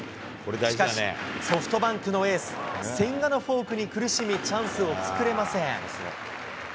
しかし、ソフトバンクのエース、千賀のフォークに苦しみ、チャンスを作れません。